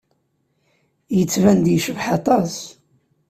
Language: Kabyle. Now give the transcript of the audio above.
Yettban-d yecbeḥ aṭas.